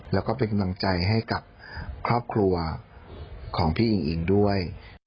แล้วก็เป็นกำลังใจให้กับครอบครัวของพี่อิงอิงด้วย